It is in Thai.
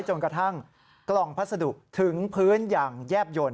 จนกระทั่งกล่องพัสดุถึงพื้นอย่างแยบยนต์